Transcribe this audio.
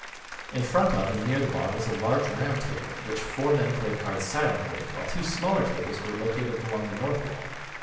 In front of and near the bar was a large round table, at which four men played cards silently, while two smaller tables were located along the north wall.